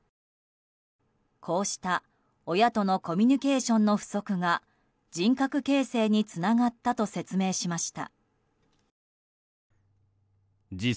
こうした親とのコミュニケーションの不足が人格形成につながったと説明しました。